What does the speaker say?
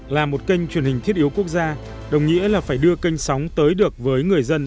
là một kênh truyền hình thiết yếu quốc gia đồng nghĩa là phải đưa kênh sóng tới được với người dân